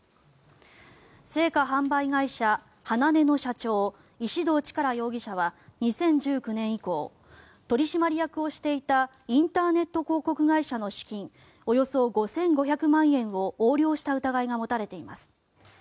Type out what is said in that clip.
ｈａｎａｎｅの社長石動力容疑者は２０１９年以降取締役をしていたインターネット広告会社の資金およそ５５００万円を横領した疑いが持たれています。